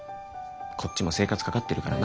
こっちも生活かかってるからな。